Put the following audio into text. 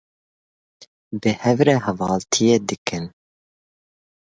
Bi hev re hevaltiye dikin.